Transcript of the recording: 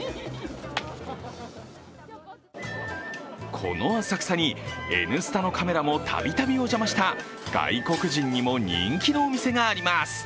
この浅草に「Ｎスタ」のカメラも度々お邪魔した外国人にも人気のお店があります。